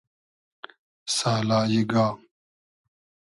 سالای گا